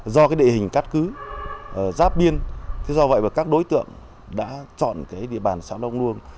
do cái địa hình cát cứ giáp biên do vậy các đối tượng đã chọn cái địa bàn sáu đông luông